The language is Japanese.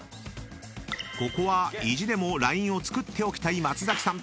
［ここは意地でもラインをつくっておきたい松崎さん］